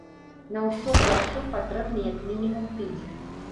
На ўсё пра ўсё патрэбны як мінімум тыдзень.